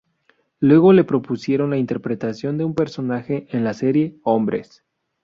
Luego le propusieron la interpretación de un personaje en la serie Hombres.